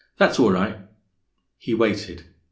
That's all right." He waited.